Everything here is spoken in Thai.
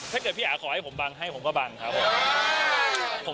ถ้าเกิดพี่อาขอให้ผมบังให้ผมก็บังครับผม